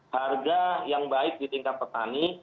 harga yang baik di tingkat petani